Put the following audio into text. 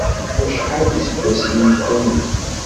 Acḥal iseggasen n Tony?